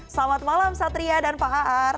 selamat malam satria dan pak aar